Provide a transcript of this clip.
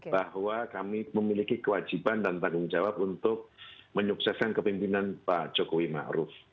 bahwa kami memiliki kewajiban dan tanggung jawab untuk menyukseskan kepemimpinan pak jokowi maruf